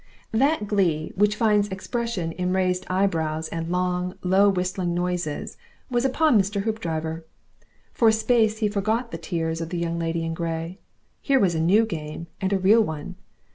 That glee which finds expression in raised eyebrows and long, low whistling noises was upon Mr. Hoopdriver. For a space he forgot the tears of the Young Lady in Grey. Here was a new game! and a real one.